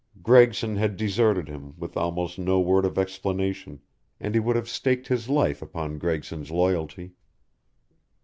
Gregson had deserted him, with almost no word of explanation, and he would have staked his life upon Gregson's loyalty.